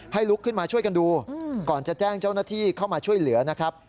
ลุกขึ้นมาช่วยกันดูก่อนจะแจ้งเจ้าหน้าที่เข้ามาช่วยเหลือนะครับ